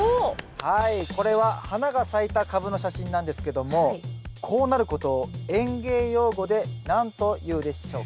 はいこれは花が咲いたカブの写真なんですけどもこうなることを園芸用語で何というでしょうか？